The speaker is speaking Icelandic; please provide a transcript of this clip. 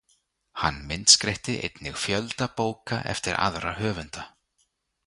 Hann myndskreytti einnig fjölda bóka eftir aðra höfunda.